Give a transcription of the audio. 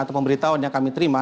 atau pemberitahuan yang kami terima